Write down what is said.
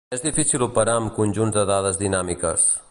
És difícil operar amb conjunts de dades dinàmiques.